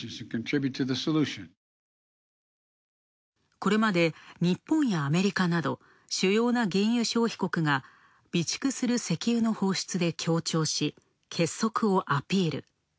これまで日本やアメリカなど主要な原油消費国が備蓄する石油の放出で協調し、結束をアピール。